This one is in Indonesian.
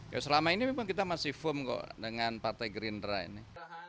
ya selama ini memang kita masih firm kok dengan partai gerindra ini